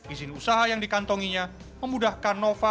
izin usaha yang dikantonginya memudahkan nova